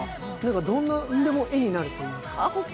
どんなんでも絵になるといいますか。